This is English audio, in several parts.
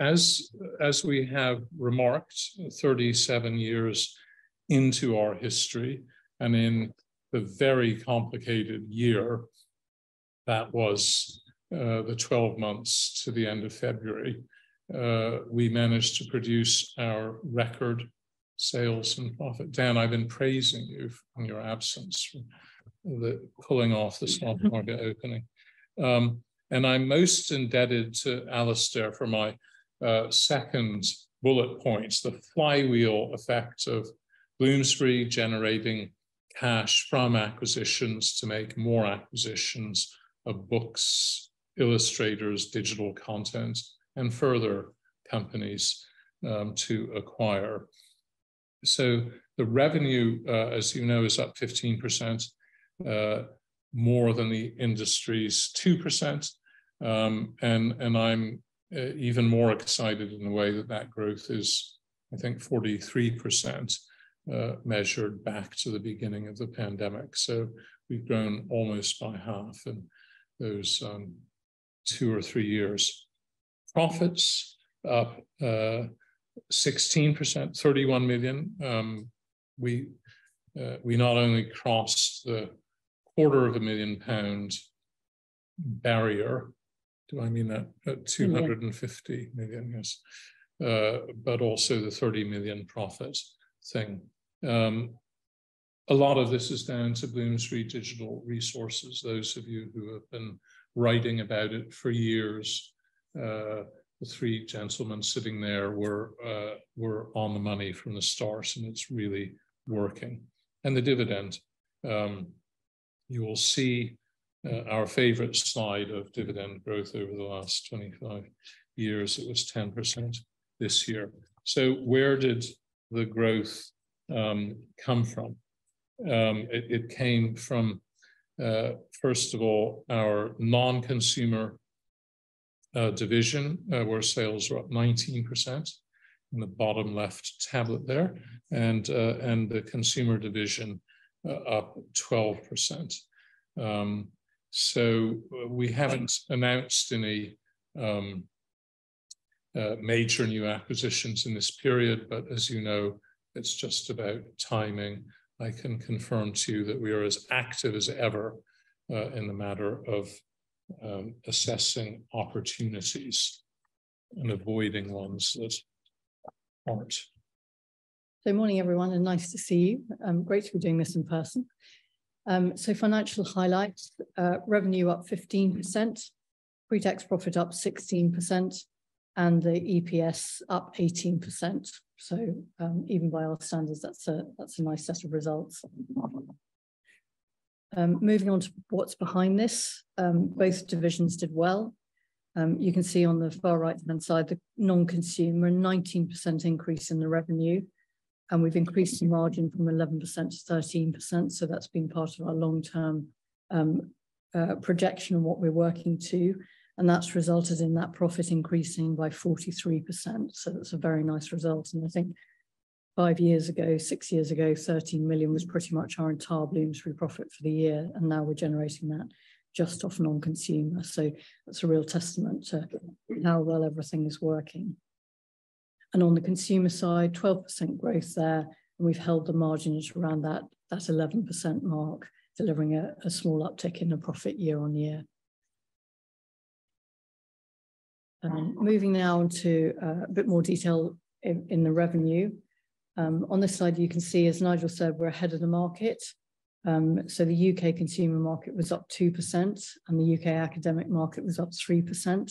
As we have remarked, 37 years into our history, and in the very complicated year that was, the 12 months to the end of February, we managed to produce our record sales and profit. Dan, I've been praising you in your absence, for the pulling off the stock market opening. I'm most indebted to Alistair for my second bullet point, the flywheel effect of Bloomsbury generating cash from acquisitions to make more acquisitions of books, illustrators, digital content, and further companies to acquire. The revenue, as you know, is up 15% more than the industry's 2%. And I'm even more excited in the way that that growth is, I think, 43% measured back to the beginning of the pandemic. We've grown almost by half in those 2 or 3 years. Profits up 16%, 31 million. We not only crossed the quarter of a million pound barrier, do I mean that? Mm-hmm. At 250 million, yes, but also the 30 million profit thing. A lot of this is down to Bloomsbury Digital Resources. Those of you who have been writing about it for years, the three gentlemen sitting there were on the money from the start, and it's really working. The dividend, you will see our favorite slide of dividend growth over the last 25 years. It was 10% this year. Where did the growth come from? It came from first of all, our non-consumer division, where sales were up 19%, in the bottom left tablet there, and the consumer division, up 12%. We haven't announced any major new acquisitions in this period, but as you know, it's just about timing. I can confirm to you that we are as active as ever, in the matter of assessing opportunities and avoiding ones that aren't. Morning, everyone, and nice to see you. Great to be doing this in person. Financial highlights, revenue up 15%, pre-tax profit up 16%, and the EPS up 18%. Even by our standards, that's a nice set of results. Moving on to what's behind this, both divisions did well. You can see on the far right-hand side, the non-consumer, 19% increase in the revenue, and we've increased the margin from 11% to 13%, that's been part of our long-term projection of what we're working to, and that's resulted in that profit increasing by 43%, that's a very nice result. I think five years ago, six years ago, 13 million was pretty much our entire Bloomsbury profit for the year, and now we're generating that just off non-consumer. That's a real testament to how well everything is working. On the consumer side, 12% growth there, and we've held the margins around that 11% mark, delivering a small uptick in the profit year-on-year. Moving now into a bit more detail in the revenue. On this slide, you can see, as Nigel said, we're ahead of the market. The U.K. consumer market was up 2%, and the U.K. academic market was up 3%.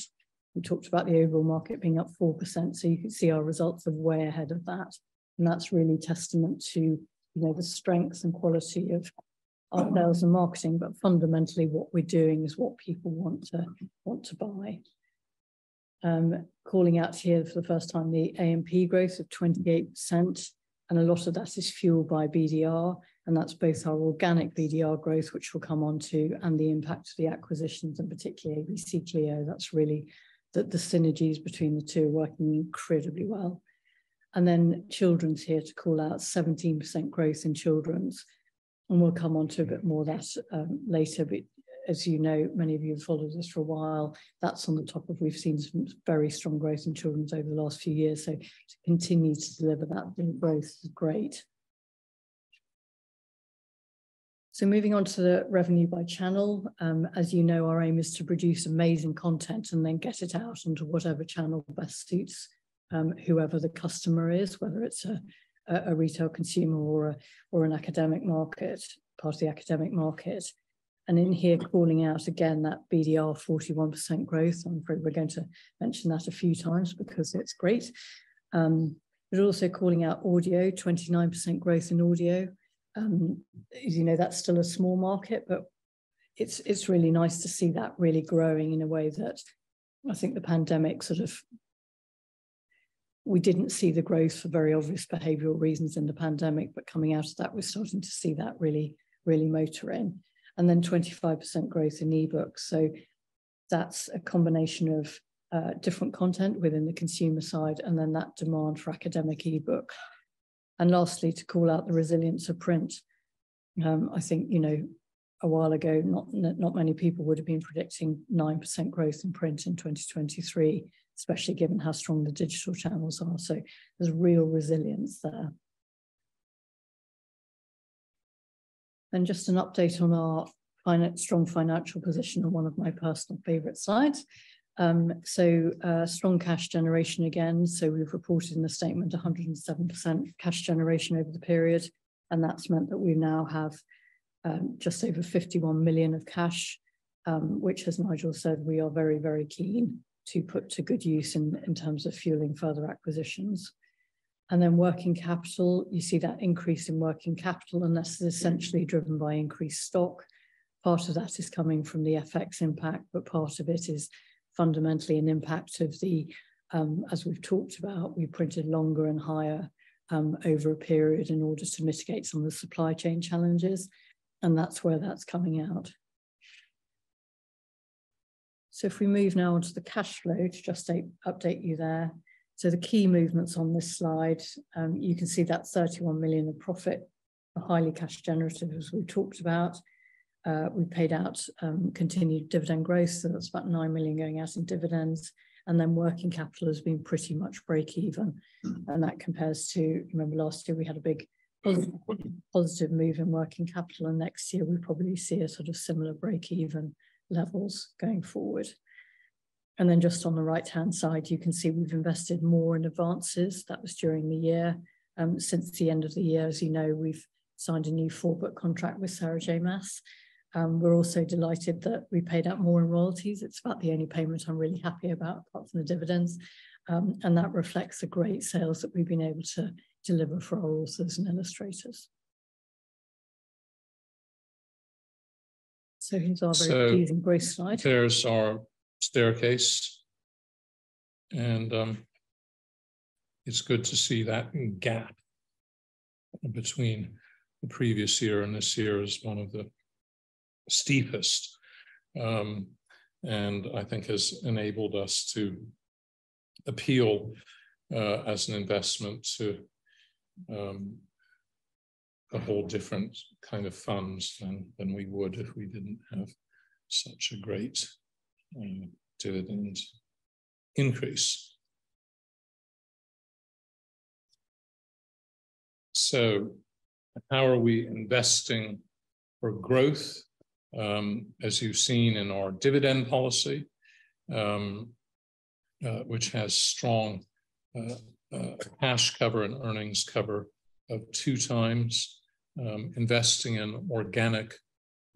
We talked about the overall market being up 4%, you can see our results are way ahead of that, and that's really testament to, you know, the strengths and quality of our sales and marketing. Fundamentally, what we're doing is what people want to buy. Calling out here for the first time, the AMP growth of 28%, and a lot of that is fueled by BDR, and that's both our organic BDR growth, which we'll come on to, and the impact of the acquisitions, and particularly ABC-CLIO, that's really the synergies between the two are working incredibly well. Children's here to call out 17% growth in children's, and we'll come on to a bit more of that later. As you know, many of you have followed us for a while, that's on the top of we've seen some very strong growth in children's over the last few years. To continue to deliver that growth is great. Moving on to the revenue by channel. As you know, our aim is to produce amazing content and then get it out into whatever channel best suits whoever the customer is, whether it's a retail consumer or an academic market, part of the academic market. In here, calling out again, that BDR 41% growth, I'm afraid we're going to mention that a few times because it's great. Also calling out audio, 29% growth in audio. As you know, that's still a small market, it's really nice to see that really growing in a way that I think the pandemic. We didn't see the growth for very obvious behavioral reasons in the pandemic, coming out of that, we're starting to see that really, really motoring. Then 25% growth in e-books. That's a combination of different content within the consumer side, then that demand for academic e-book. Lastly, to call out the resilience of print. I think, you know, a while ago, not many people would have been predicting 9% growth in print in 2023, especially given how strong the digital channels are. There's real resilience there. Just an update on our strong financial position and one of my personal favorite slides. Strong cash generation again. We've reported in the statement 107% cash generation over the period, and that's meant that we now have 51 million of cash, which as Nigel said, we are very, very keen to put to good use in terms of fueling further acquisitions. Working capital, you see that increase in working capital. This is essentially driven by increased stock. Part of that is coming from the FX impact, but part of it is fundamentally an impact of the, as we've talked about, we printed longer and higher over a period in order to mitigate some of the supply chain challenges. That's where that's coming out. If we move now on to the cash flow, to just update you there. The key movements on this slide, you can see that 31 million in profit, are highly cash generative, as we talked about. We paid out continued dividend growth. That's about 9 million going out in dividends. Working capital has been pretty much break even. That compares to... Remember last year, we had a big positive move in working capital, next year we'll probably see a sort of similar break-even levels going forward. Just on the right-hand side, you can see we've invested more in advances. That was during the year. Since the end of the year, as you know, we've signed a new four-book contract with Sarah J. Maas. We're also delighted that we paid out more in royalties. It's about the only payment I'm really happy about, apart from the dividends, and that reflects the great sales that we've been able to deliver for our authors and illustrators. Here's our very pleasing growth slide. There's our staircase, and it's good to see that gap between the previous year and this year is one of the steepest. And I think has enabled us to appeal as an investment to a whole different kind of funds than we would if we didn't have such a great dividend increase. How are we investing for growth? As you've seen in our dividend policy, which has strong cash cover and earnings cover of 2 times, investing in organic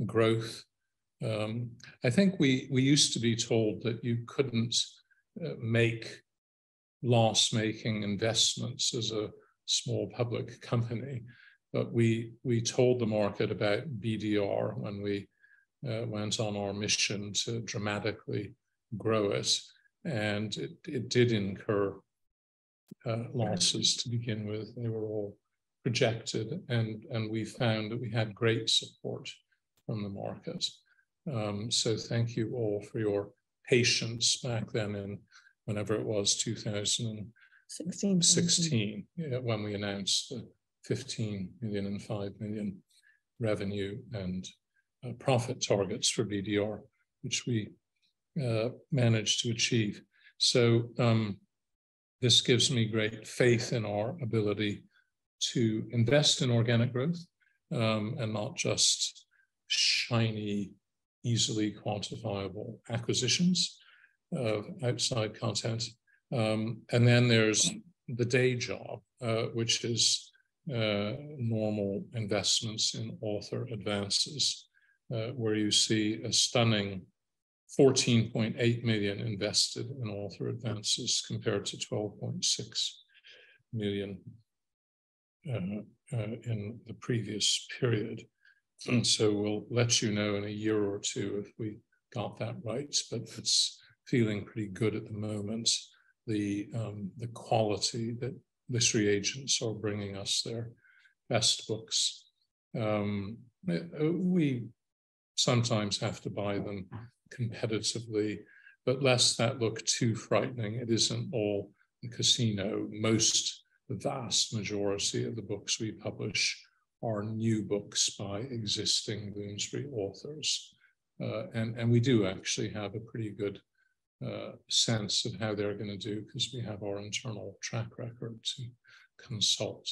growth. I think we used to be told that you couldn't make loss-making investments as a small public company, but we told the market about BDR when we went on our mission to dramatically grow it, and it did incur losses to begin with. They were all projected, and we found that we had great support from the market. Thank you all for your patience back then in whenever it was. Sixteen... 16 yeah, when we announced the 15 million and 5 million revenue and profit targets for BDR, which we managed to achieve. This gives me great faith in our ability to invest in organic growth and not just shiny, easily quantifiable acquisitions outside content. There's the day job, which is normal investments in author advances, where you see a stunning 14.8 million invested in author advances, compared to 12.6 million in the previous period. We'll let you know in a year or two if we got that right, but it's feeling pretty good at the moment. The quality that literary agents are bringing us, their best books. We sometimes have to buy them competitively, but lest that look too frightening, it isn't all a casino. Most, the vast majority of the books we publish are new books by existing Bloomsbury authors. We do actually have a pretty good sense of how they're gonna do 'cause we have our internal track record to consult.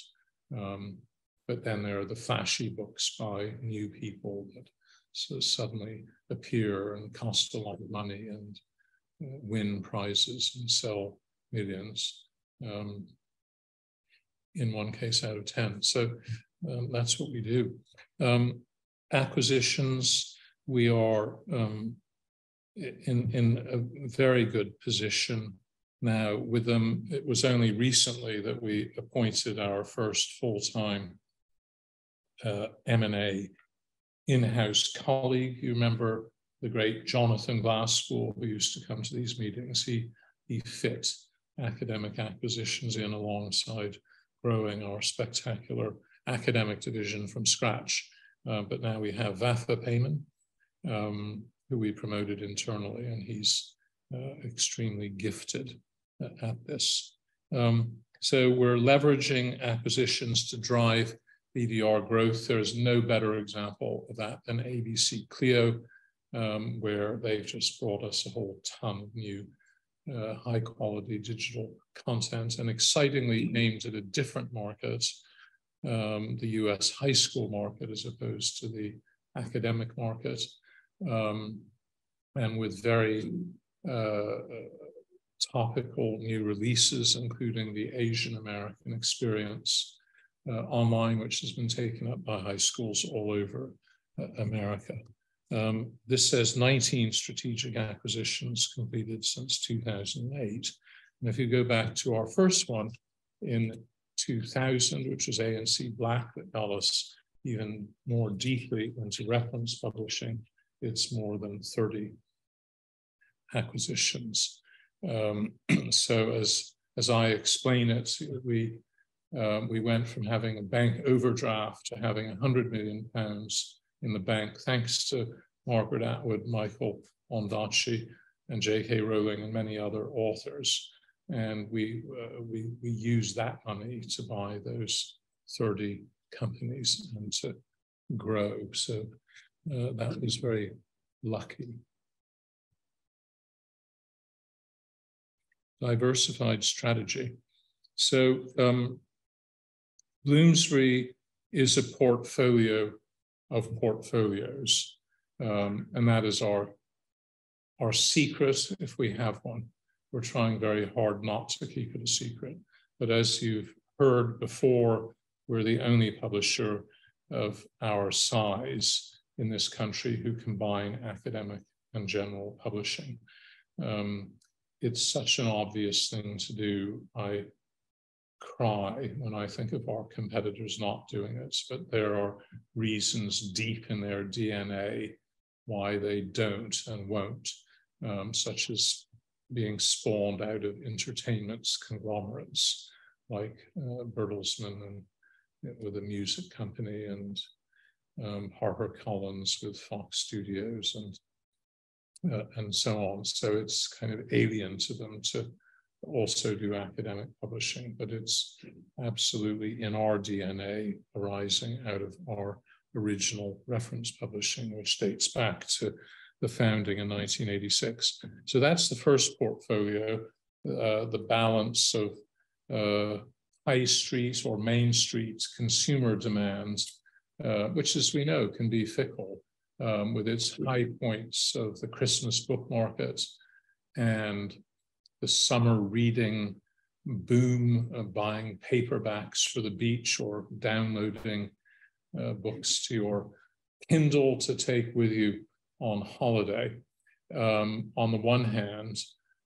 There are the flashy books by new people that sort of suddenly appear and cost a lot of money and win prizes and sell millions in 1 case out of 10. That's what we do. Acquisitions, we are in a very good position now with them. It was only recently that we appointed our first full-time M&A in-house colleague. You remember the great Jonathan Glasspool, who used to come to these meetings. He fit academic acquisitions in alongside growing our spectacular academic division from scratch. Now we have Vafa Payman-... who we promoted internally, and he's extremely gifted at this. We're leveraging acquisitions to drive BDR growth. There is no better example of that than ABC-CLIO, where they've just brought us a whole ton of new, high-quality digital content, and excitingly aimed at a different market, the US high school market, as opposed to the academic market. With very topical new releases, including The Asian American Experience online, which has been taken up by high schools all over America. This says 19 strategic acquisitions completed since 2008. If you go back to our first one in 2000, which was A&C Black, that got us even more deeply into reference publishing, it's more than 30 acquisitions. As I explain it, we went from having a bank overdraft to having 100 million pounds in the bank, thanks to Margaret Atwood, Michael Ondaatje, and J.K. Rowling, and many other authors. We used that money to buy those 30 companies and to grow. That was very lucky. Diversified strategy. Bloomsbury is a portfolio of portfolios, that is our secret, if we have one. We're trying very hard not to keep it a secret, as you've heard before, we're the only publisher of our size in this country who combine academic and general publishing. It's such an obvious thing to do. I cry when I think of our competitors not doing it, but there are reasons deep in their DNA why they don't and won't, such as being spawned out of entertainment conglomerates like Bertelsmann and, with a music company, and HarperCollins with Fox Studios and so on. It's kind of alien to them to also do academic publishing, but it's absolutely in our DNA, arising out of our original reference publishing, which dates back to the founding in 1986. That's the first portfolio, the balance of high streets or main streets, consumer demands, which, as we know, can be fickle, with its high points of the Christmas book market and the summer reading boom of buying paperbacks for the beach or downloading books to your Kindle to take with you on holiday. On the one hand,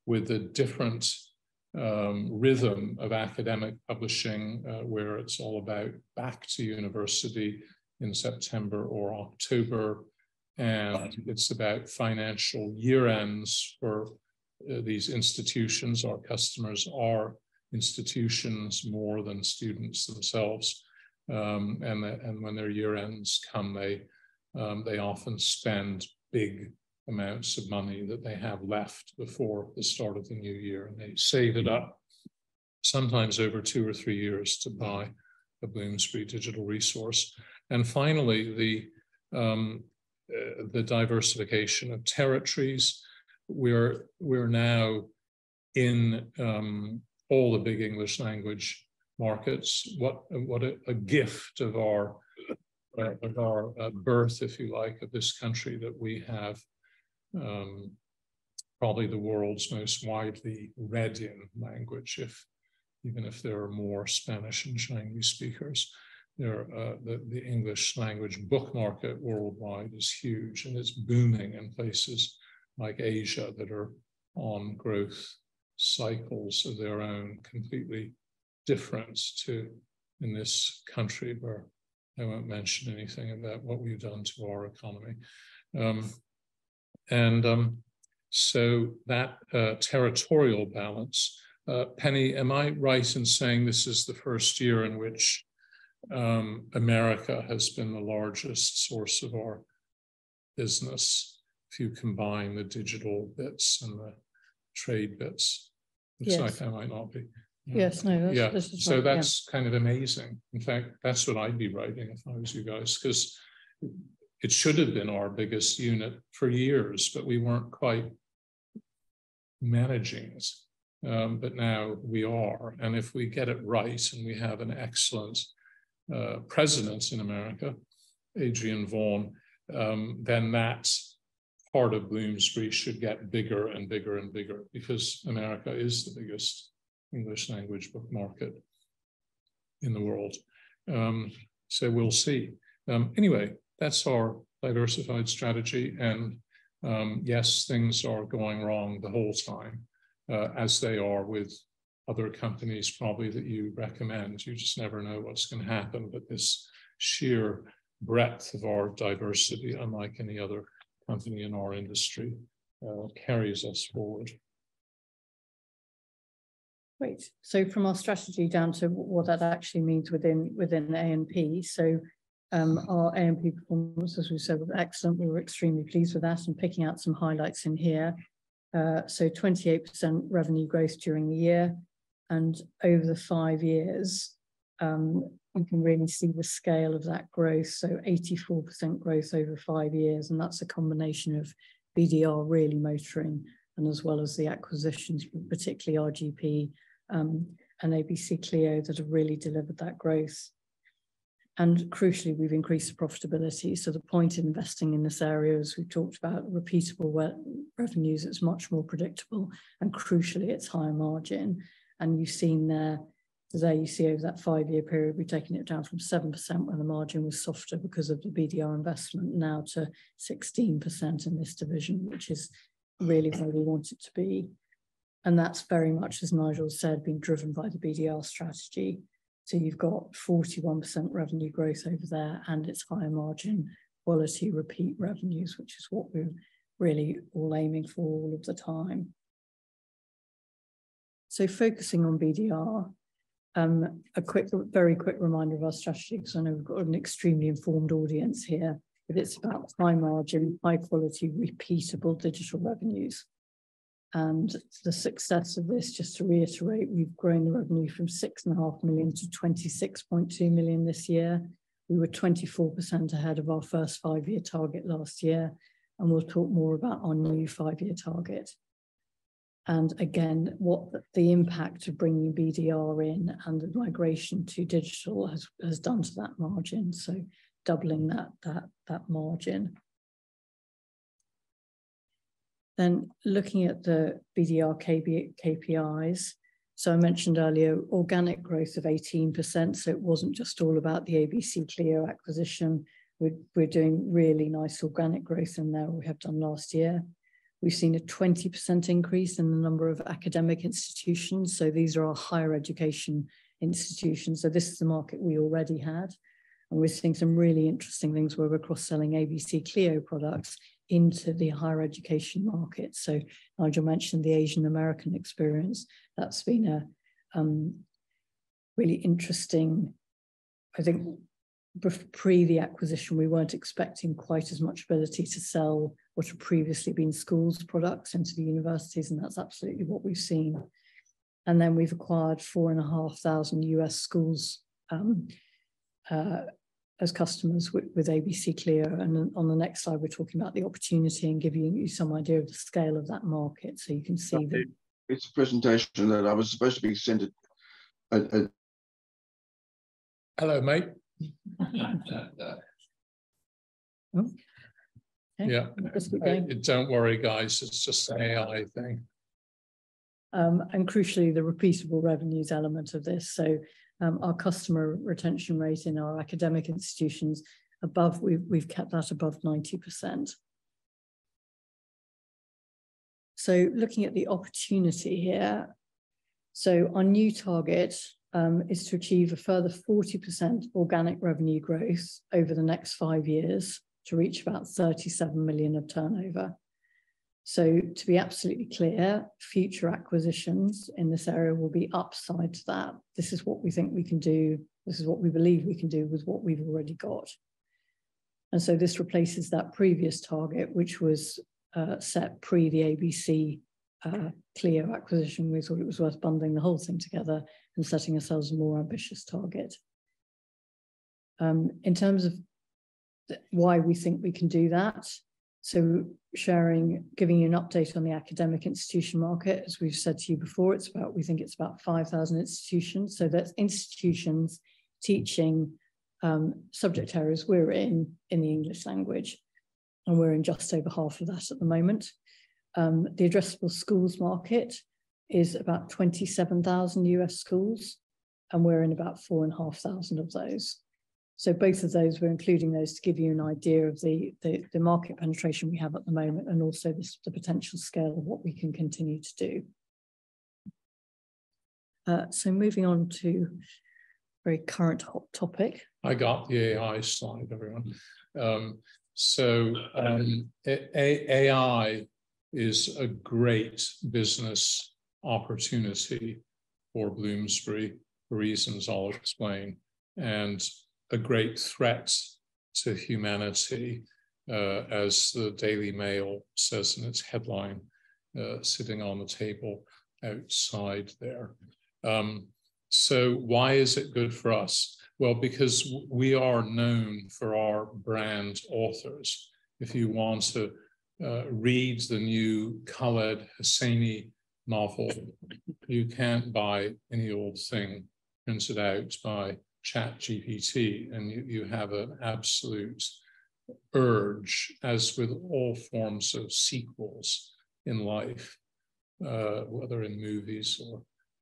with a different rhythm of academic publishing, where it's all about back to university in September or October, and it's about financial year-ends for these institutions. Our customers are institutions more than students themselves. When their year-ends come, they often spend big amounts of money that they have left before the start of the new year, and they save it up, sometimes over two or three years, to buy a Bloomsbury digital resource. Finally, the diversification of territories. We're now in all the big English language markets. What a gift of our birth, if you like, of this country that we have probably the world's most widely read in language if, even if there are more Spanish and Chinese speakers. There are, the English language book market worldwide is huge, and it's booming in places like Asia that are on growth cycles of their own, completely different to in this country, where I won't mention anything about what we've done to our economy. That territorial balance, Penny, am I right in saying this is the first year in which America has been the largest source of our business, if you combine the digital bits and the trade bits? Yes. Which I think might not be. Yes. This is right. That's kind of amazing. In fact, that's what I'd be writing if I was you guys, 'cause it should have been our biggest unit for years, but we weren't quite managing it. Now we are, and if we get it right, and we have an excellent President in America, Adrienne Vaughan, then that part of Bloomsbury should get bigger and bigger and bigger because America is the biggest English language book market in the world. We'll see. Anyway, that's our diversified strategy, yes, things are going wrong the whole time, as they are with other companies probably that you recommend. You just never know what's gonna happen, this sheer breadth of our diversity, unlike any other company in our industry, carries us forward. Great. From our strategy down to what that actually means within AMP. Our AMP performance, as we said, was excellent. We were extremely pleased with that, picking out some highlights in here. 28% revenue growth during the year, over the five years, you can really see the scale of that growth. 84% growth over five years, that's a combination of BDR, really motoring, as well as the acquisitions, particularly RGP, and ABC-CLIO that have really delivered that growth. Crucially, we've increased the profitability. The point investing in this area, as we've talked about, repeatable revenues, it's much more predictable, crucially, it's higher margin. We've seen there you see over that 5-year period, we've taken it down from 7% when the margin was softer because of the BDR investment, now to 16% in this division, which is really where we want it to be. That's very much, as Nigel said, been driven by the BDR strategy. You've got 41% revenue growth over there, and it's higher margin quality repeat revenues, which is what we're really all aiming for all of the time. Focusing on BDR, a quick, very quick reminder of our strategy, because I know we've got an extremely informed audience here, but it's about high margin, high quality, repeatable digital revenues. The success of this, just to reiterate, we've grown the revenue from 6.5 million to 26.2 million this year. We were 24% ahead of our first 5-year target last year. We'll talk more about our new 5-year target. Again, what the impact of bringing BDR in and the migration to digital has done to that margin, so doubling that margin. Looking at the BDR KPIs. I mentioned earlier, organic growth of 18%. It wasn't just all about the ABC-CLIO acquisition. We're doing really nice organic growth in there, we have done last year. We've seen a 20% increase in the number of academic institutions. These are our higher education institutions. This is the market we already had, and we're seeing some really interesting things where we're cross-selling ABC-CLIO products into the higher education market. Nigel mentioned The Asian American Experience. That's been a really interesting... I think pre the acquisition, we weren't expecting quite as much ability to sell what had previously been schools products into the universities. That's absolutely what we've seen. Then we've acquired 4,500 U.S. schools as customers with ABC-CLIO. On the next slide, we're talking about the opportunity and giving you some idea of the scale of that market, so you can see. It's a presentation that I was supposed to be sending. Hello, mate. Oh. Yeah. That's okay. Don't worry, guys. It's just an AI thing. Crucially, the repeatable revenues element of this. Our customer retention rate in our academic institutions, we've kept that above 90%. Looking at the opportunity here, our new target is to achieve a further 40% organic revenue growth over the next 5 years to reach about 37 million of turnover. To be absolutely clear, future acquisitions in this area will be upside to that. This is what we think we can do. This is what we believe we can do with what we've already got. This replaces that previous target, which was set pre the ABC-CLIO acquisition. We thought it was worth bundling the whole thing together and setting ourselves a more ambitious target. In terms of the why we think we can do that, so sharing, giving you an update on the academic institution market, as we've said to you before, it's about, we think it's about 5,000 institutions. That's institutions teaching subject areas we're in the English language, and we're in just over half of that at the moment. The addressable schools market is about 27,000 U.S. schools, and we're in about 4,500 of those. Both of those, we're including those to give you an idea of the, the market penetration we have at the moment, and also the potential scale of what we can continue to do. Moving on to a very current hot topic. I got the AI slide, everyone. AI is a great business opportunity for Bloomsbury, for reasons I'll explain, and a great threat to humanity, as the Daily Mail says in its headline, sitting on the table outside there. Why is it good for us? Well, because we are known for our brand authors. If you want to read the new Khaled Hosseini novel, you can't buy any old thing printed out by ChatGPT, and you have an absolute urge, as with all forms of sequels in life, whether in movies or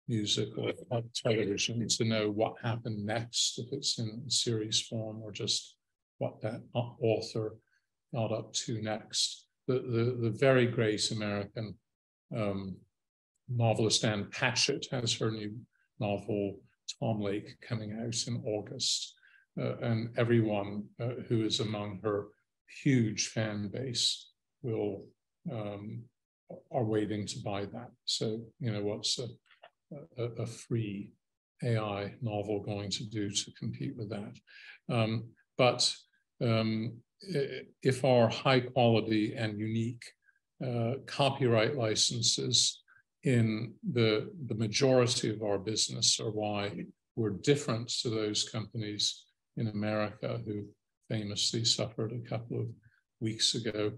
music or on television, to know what happened next, if it's in series form, or just what that author is up to next. The very great American novelist, Ann Patchett, has her new novel, Tom Lake, coming out in August. Everyone who is among her huge fan base are waiting to buy that. You know, what's a free AI novel going to do to compete with that? If our high quality and unique copyright licenses in the majority of our business are why we're different to those companies in America who famously suffered a couple of weeks ago,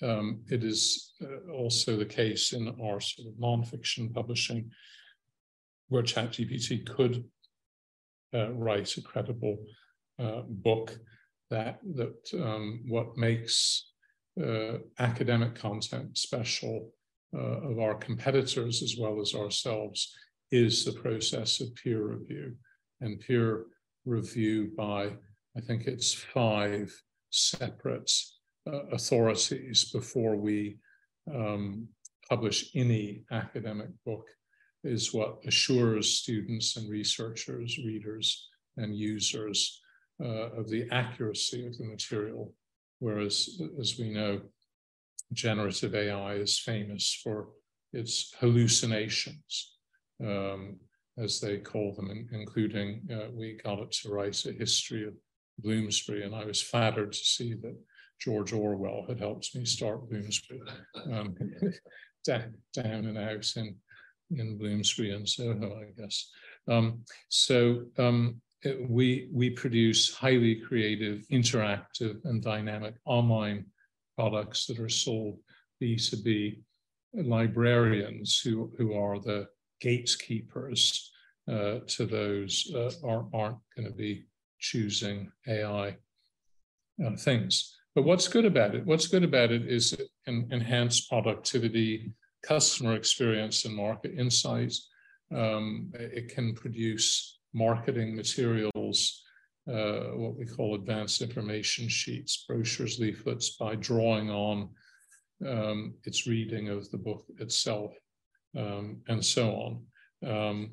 it is also the case in our sort of non-fiction publishing, where ChatGPT could write a credible book that what makes academic content special of our competitors as well as ourselves, is the process of peer review. Peer review by, I think it's five separate authorities before we publish any academic book, is what assures students and researchers, readers, and users of the accuracy of the material. Whereas, as we know, generative AI is famous for its hallucinations, as they call them, including, we got it to write a history of Bloomsbury, and I was flattered to see that George Orwell had helped me start Bloomsbury. Down and out in Bloomsbury, I guess. We produce highly creative, interactive, and dynamic online products that are sold to the librarians, who are the gatekeepers to those, aren't gonna be choosing AI things. What's good about it? What's good about it is it can enhance productivity, customer experience, and market insight. It can produce marketing materials, what we call Advance Information sheets, brochures, leaflets, by drawing on its reading of the book itself, and so on.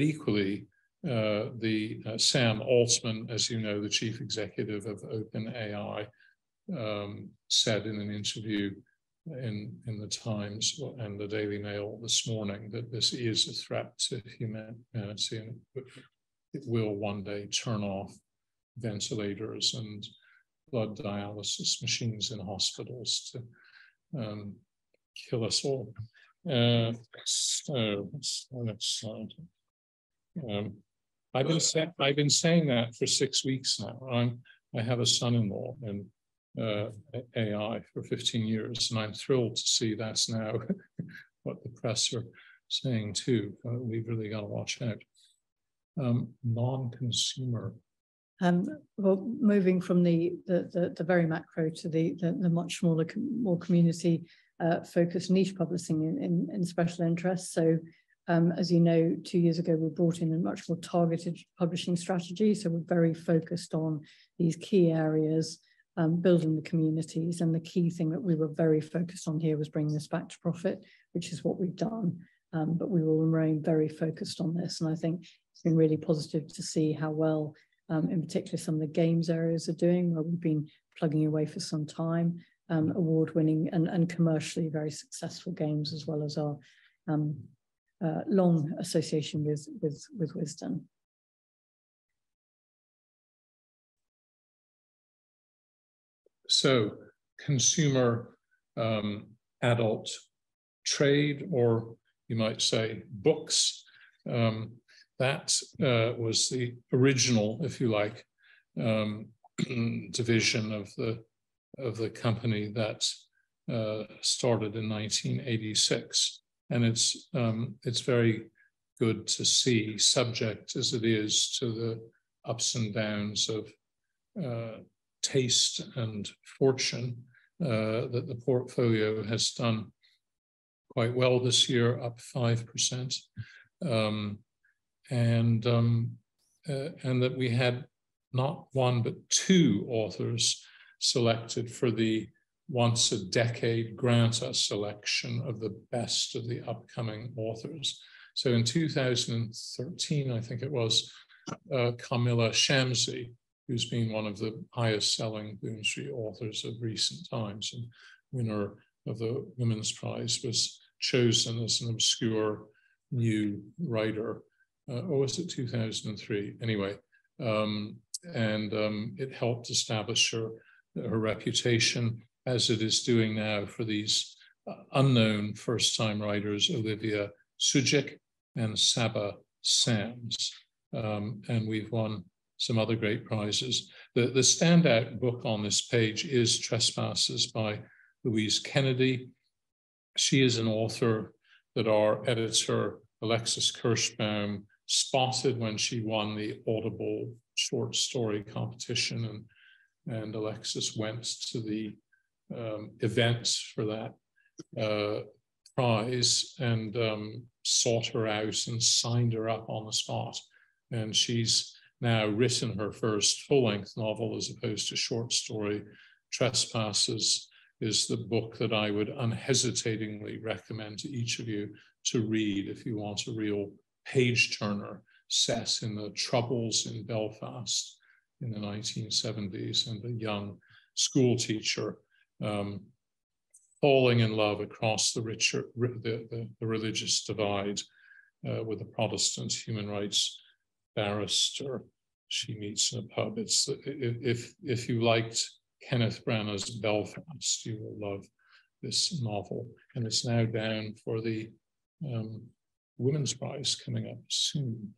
Equally, Sam Altman, as you know, the Chief Executive of OpenAI, said in an interview in The Times and the Daily Mail this morning, that this is a threat to humanity, and it will one day turn off ventilators and blood dialysis machines in hospitals to kill us all. What's the next slide? I've been saying that for six weeks now. I have a son-in-law in AI for 15 years, and I'm thrilled to see that's now what the press are saying, too. We've really got to watch out. Non-consumer. Moving from the very macro to the much more community focused niche publishing in special interest. As you know, 2 years ago, we brought in a much more targeted publishing strategy, we're very focused on these key areas, building the communities. The key thing that we were very focused on here was bringing this back to profit, which is what we've done. We will remain very focused on this, and I think it's been really positive to see how well, in particular, some of the games areas are doing, where we've been plugging away for some time, award-winning and commercially very successful games, as well as our long association with Wisdom. Consumer, adult trade, or you might say, books, that was the original, if you like, division of the company that started in 1986. It's very good to see, subject as it is to the ups and downs of taste and fortune, that the portfolio has done quite well this year, up 5%. That we had not 1 but 2 authors selected for the once a decade Granta selection of the best of the upcoming authors. In 2013, I think it was, Kamila Shamsie, who's been one of the highest-selling Bloomsbury authors of recent times, and winner of the Women's Prize, was chosen as an obscure new writer. Or was it 2003? It helped establish her reputation as it is doing now for these unknown first-time writers, Olivia Sudjic and Saba Sams. We've won some other great prizes. The standout book on this page is Trespasses by Louise Kennedy. She is an author that our editor, Alexis Kirschbaum, spotted when she won the Audible short story competition, and Alexis went to the event for that prize and sought her out and signed her up on the spot. She's now written her first full-length novel, as opposed to short story. Trespasses is the book that I would unhesitatingly recommend to each of you to read if you want a real page-turner, set in the troubles in Belfast in the 1970s, and a young schoolteacher... falling in love across the richer, religious divide, with a Protestant human rights barrister she meets in a pub. It's if you liked Kenneth Branagh's Belfast, you will love this novel. It's now down for the Women's Prize coming up soon.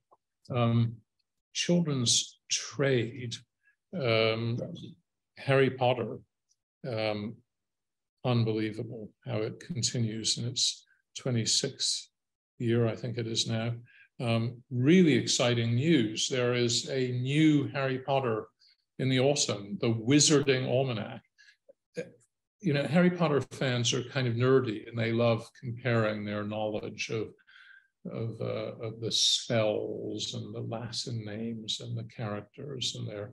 Children's trade, Harry Potter, unbelievable how it continues in its 26th year, I think it is now. Really exciting news, there is a new Harry Potter in the autumn, The Wizarding Almanac. You know, Harry Potter fans are kind of nerdy, and they love comparing their knowledge of the spells, and the Latin names, and the characters, and their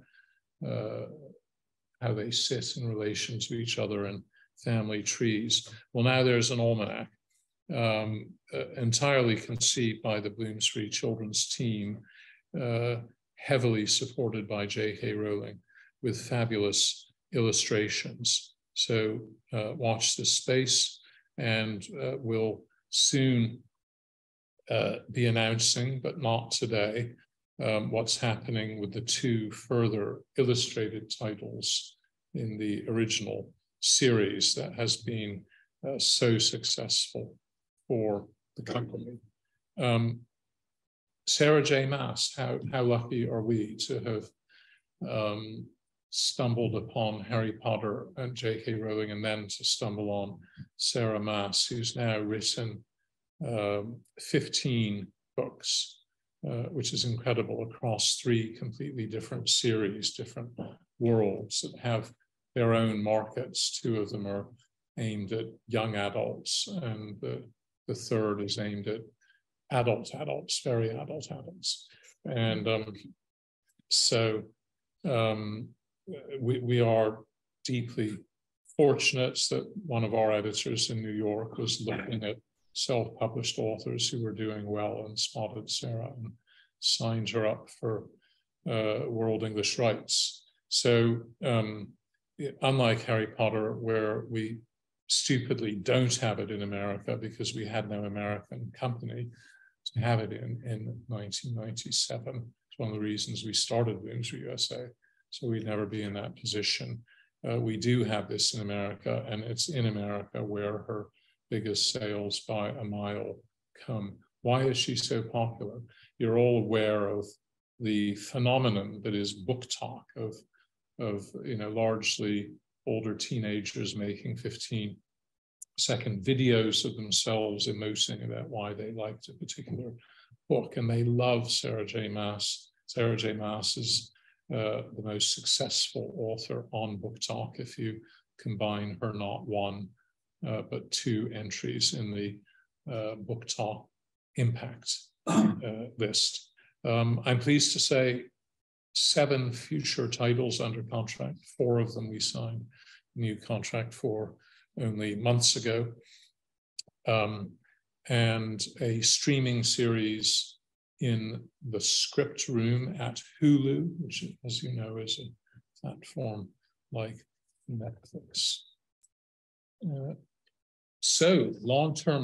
how they sit in relation to each other, and family trees. Now there's an almanac, entirely conceived by the Bloomsbury children's team, heavily supported by J.K. Rowling, with fabulous illustrations. Watch this space, and we'll soon be announcing, but not today, what's happening with the 2 further illustrated titles in the original series that has been so successful for the company. Sarah J. Maas, how lucky are we to have stumbled upon Harry Potter and J.K. Rowling, and then to stumble on Sarah J. Maas, who's now written 15 books, which is incredible, across 3 completely different series, different worlds, that have their own markets. 2 of them are aimed at young adults, and the 3rd is aimed at adult adults, very adult adults. We are deeply fortunate that one of our editors in New York was looking at self-published authors who were doing well, and spotted Sarah, and signed her up for world English rights. Unlike Harry Potter, where we stupidly don't have it in America because we had no American company to have it in 1997. It's one of the reasons we started Bloomsbury USA, we'd never be in that position. We do have this in America, it's in America where her biggest sales by a mile come. Why is she so popular? You're all aware of the phenomenon that is BookTok, you know, largely older teenagers making 15-second videos of themselves emoting about why they liked a particular book, they love Sarah J. Maas. Sarah J. Maas is the most successful author on BookTok, if you combine her not one, but two entries in the BookTok impact list. I'm pleased to say seven future titles under contract, four of them we signed a new contract for only months ago. A streaming series in the script room at Hulu, which, as you know, is a platform like Netflix. Long-term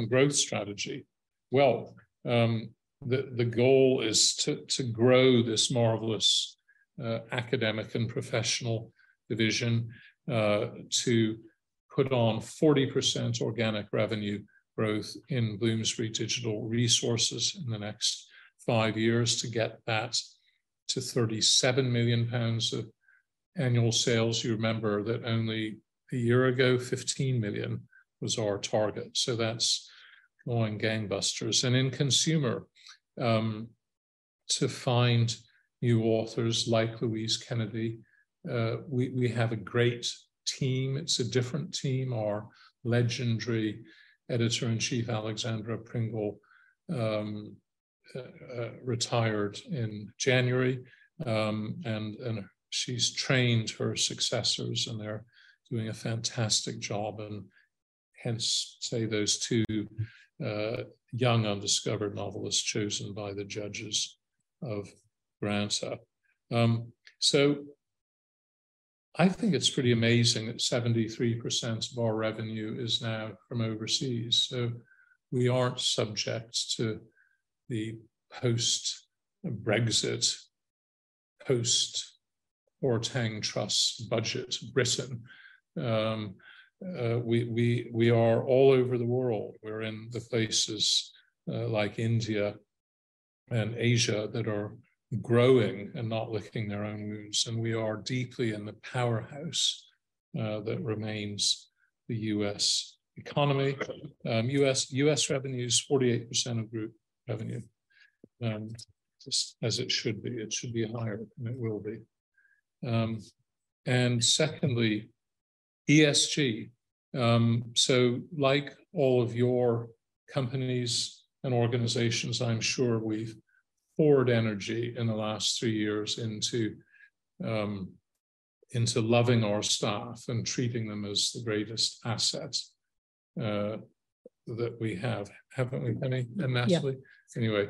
growth strategy. The goal is to grow this marvelous academic and professional division to put on 40% organic revenue growth in Bloomsbury Digital Resources in the next 5 years, to get that to 37 million pounds of annual sales. You remember that only a year ago, 15 million was our target, so that's going gangbusters. In consumer, to find new authors like Louise Kennedy, we have a great team. It's a different team. Our legendary Editor-in-Chief, Alexandra Pringle, retired in January. She's trained her successors, and they're doing a fantastic job, and hence, say, those two young, undiscovered novelists chosen by the judges of Granta. I think it's pretty amazing that 73% of our revenue is now from overseas, we aren't subject to the post-Brexit, post-Kwasi Kwarteng Truss budget Britain. We are all over the world. We're in the places like India and Asia, that are growing and not lifting their own moods, and we are deeply in the powerhouse that remains the U.S. economy. U.S. revenue is 48% of group revenue, just as it should be, it should be higher, it will be. Secondly, ESG. Like all of your companies and organizations, I'm sure we've poured energy in the last 3 years into loving our staff and treating them as the greatest assets that we have, haven't we, Penny and Natalie? Yeah.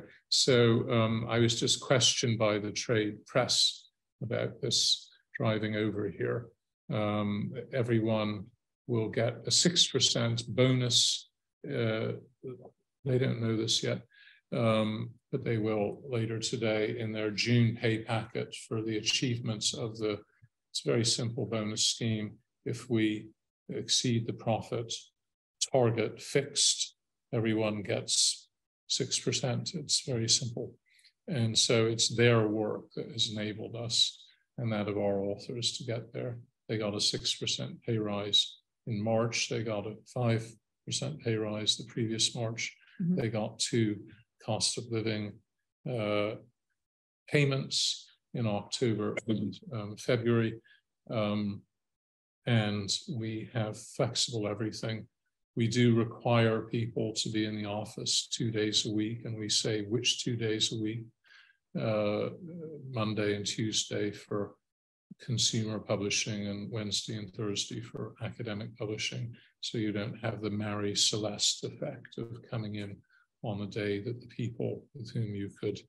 I was just questioned by the trade press about this driving over here. Everyone will get a 6% bonus. They don't know this yet, they will later today in their June pay packet for the achievements. It's a very simple bonus scheme. If we exceed the profit target fixed, everyone gets 6%. It's very simple, it's their work that has enabled us, and that of our authors, to get there. They got a 6% pay rise in March. They got a 5% pay rise the previous March. Mm-hmm. They got two cost of living payments in October and February. We have flexible everything. We do require people to be in the office two days a week, and we say which two days a week. Monday and Tuesday for consumer publishing, and Wednesday and Thursday for academic publishing. You don't have the Mary Celeste effect of coming in on the day that the people with whom you could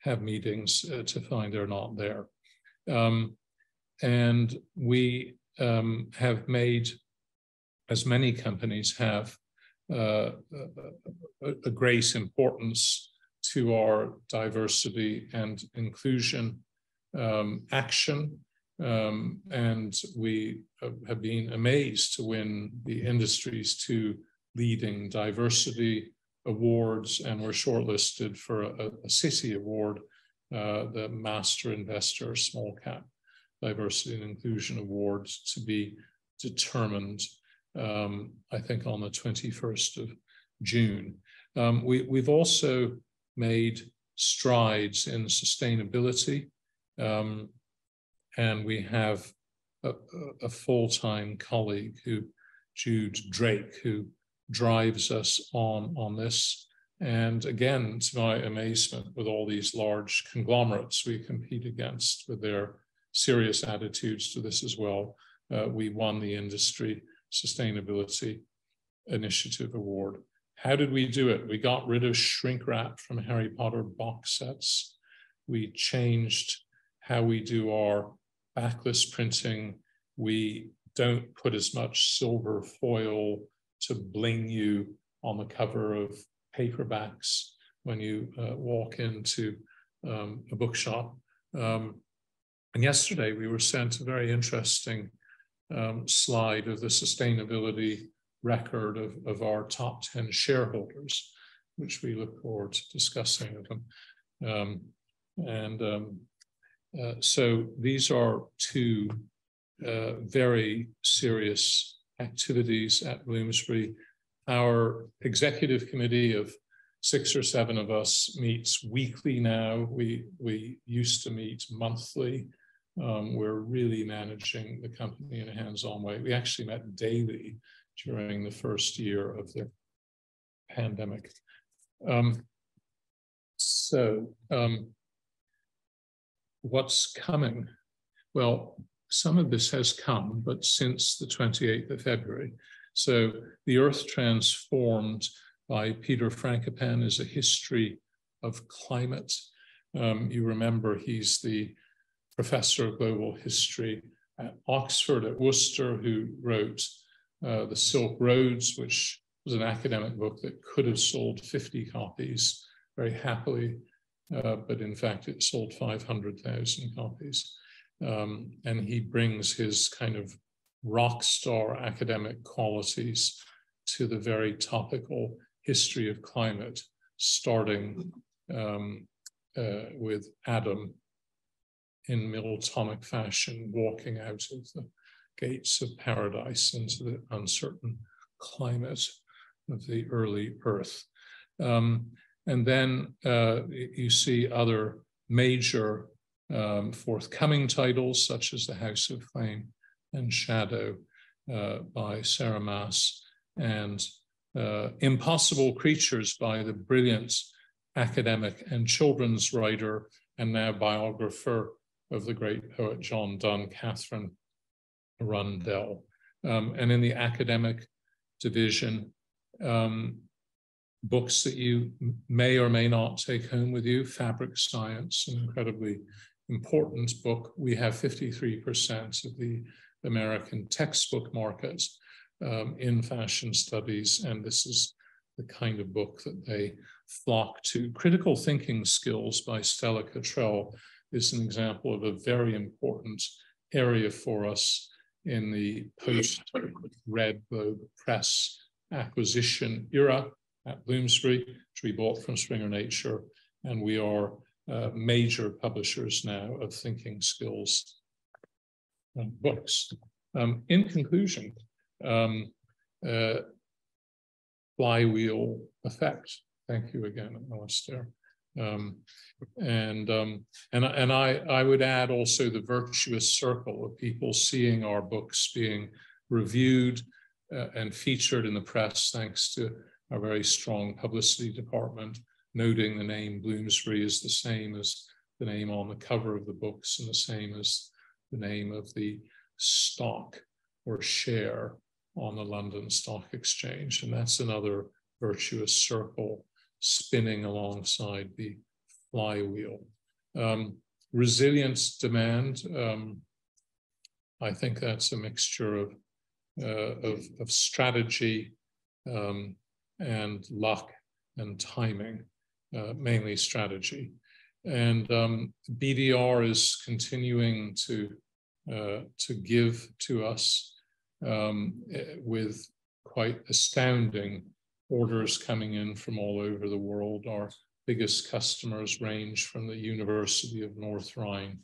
have meetings to find they're not there. We have made, as many companies have, a great importance to our diversity and inclusion action. We have been amazed to win the industry's two leading diversity awards, and we're shortlisted for a CITI award, the Master Investor Small Cap Diversity and Inclusion Awards, to be determined, I think on the 21st of June. We've also made strides in sustainability, and we have a full-time colleague Jude Drake, who drives us on this. Again, to my amazement, with all these large conglomerates we compete against, with their serious attitudes to this as well, we won the Industry Sustainability Initiative Award. How did we do it? We got rid of shrink wrap from Harry Potter box sets. We changed how we do our backlist printing. We don't put as much silver foil to bling you on the cover of paperbacks when you walk into a bookshop. Yesterday, we were sent a very interesting slide of the sustainability record of our top 10 shareholders, which we look forward to discussing with them. These are two very serious activities at Bloomsbury. Our executive committee of six or seven of us meets weekly now. We used to meet monthly. We're really managing the company in a hands-on way. We actually met daily during the first year of the pandemic. What's coming? Well, some of this has come, but since the 28th of February. The Earth Transformed by Peter Frankopan is a history of climate. You remember, he's the Professor of Global History at Oxford at Worcester, who wrote The Silk Roads, which was an academic book that could have sold 50 copies very happily. In fact, it sold 500,000 copies. He brings his kind of rockstar academic qualities to the very topical history of climate, starting with Adam, in Miltonic fashion, walking out of the gates of paradise into the uncertain climate of the early Earth. You see other major forthcoming titles, such as The House of Flame and Shadow by Sarah J. Maas, and Impossible Creatures by the brilliant academic and children's writer, and now biographer of the great poet John Donne, Katherine Rundell. In the academic division, books that you may or may not take home with you, Fabric Science, an incredibly important book. We have 53% of the American textbook markets in fashion studies, and this is the kind of book that they flock to. Critical Thinking Skills by Stella Cottrell is an example of a very important area for us in the post-Red Globe Press acquisition era at Bloomsbury, which we bought from Springer Nature, and we are major publishers now of thinking skills and books. In conclusion, flywheel effect. Thank you again, Alistair. I would add also the virtuous circle of people seeing our books being reviewed, and featured in the press, thanks to our very strong publicity department, noting the name Bloomsbury is the same as the name on the cover of the books, and the same as the name of the stock or share on the London Stock Exchange. That's another virtuous circle spinning alongside the flywheel. Resilience demand, I think that's a mixture of strategy, and luck, and timing, mainly strategy. BDR is continuing to give to us with quite astounding orders coming in from all over the world. Our biggest customers range from the University of North Rhine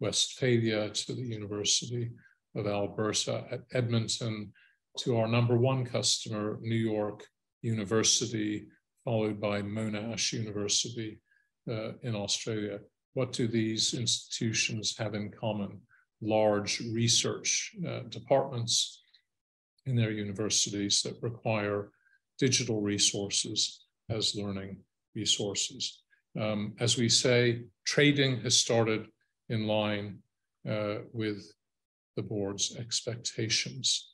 Westphalia, to the University of Alberta at Edmonton, to our number one customer, New York University, followed by Monash University in Australia. What do these institutions have in common? Large research departments in their universities that require digital resources as learning resources. As we say, trading has started in line with the board's expectations.